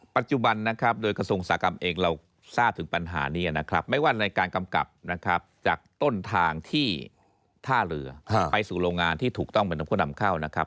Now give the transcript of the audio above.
ปัจจุบันนะครับโดยกระทรวงอุตสาหกรรมเองเราทราบถึงปัญหานี้นะครับไม่ว่าในการกำกับนะครับจากต้นทางที่ท่าเรือไปสู่โรงงานที่ถูกต้องเหมือนผู้นำเข้านะครับ